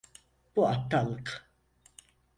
Bu aptallık.